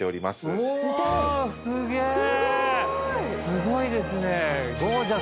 すごいですね。